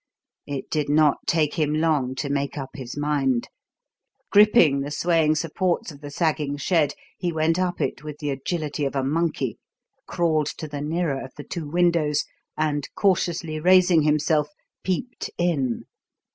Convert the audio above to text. It did not take him long to make up his mind. Gripping the swaying supports of the sagging shed, he went up it with the agility of a monkey, crawled to the nearer of the two windows, and, cautiously raising himself, peeped in.